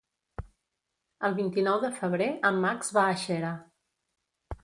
El vint-i-nou de febrer en Max va a Xera.